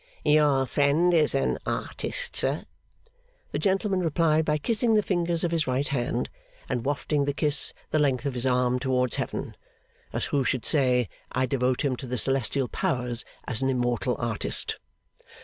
'Your friend is an artist, sir?' The gentleman replied by kissing the fingers of his right hand, and wafting the kiss the length of his arm towards Heaven. As who should say, I devote him to the celestial Powers as an immortal artist!